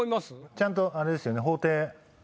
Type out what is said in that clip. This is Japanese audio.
ちゃんとあれですよね？